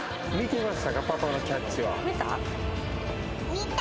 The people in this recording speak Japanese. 見た？